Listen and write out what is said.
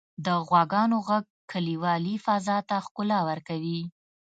• د غواګانو ږغ کلیوالي فضا ته ښکلا ورکوي.